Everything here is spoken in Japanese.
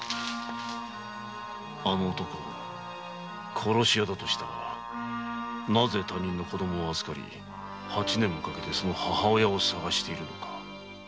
あの男殺し屋だとしたらなぜ他人の子供を預かり八年もかけてその母親を捜しているのか。